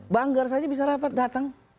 banggar saja bisa rapat datang